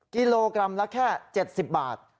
กิโลกรัมละแค่๗๐บาท